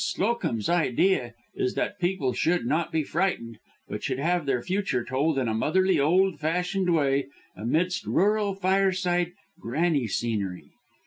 Slowcomb's idea is that people should not be frightened, but should have their future told in a motherly, old fashioned way amidst rural fireside granny scenery.